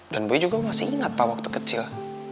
dan boy juga masih ingat pak waktu kecil